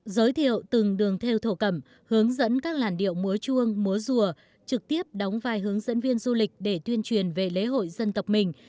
giới thiệu từng đường theo thổ cẩm hướng dẫn các làn điệu múa chuông múa rùa trực tiếp đóng vai hướng dẫn viên du lịch để tuyên truyền về lễ hội dân tộc mình